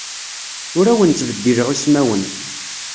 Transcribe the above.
Ur awen-ttbeddileɣ ismawen.